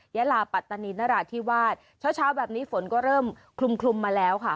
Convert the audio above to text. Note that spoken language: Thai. ยาลาปัตตานีนราธิวาสเช้าเช้าแบบนี้ฝนก็เริ่มคลุมคลุมมาแล้วค่ะ